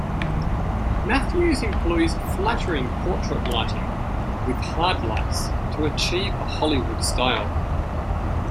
Matthews employs flattering portrait lighting with hard lights to achieve a Hollywood style.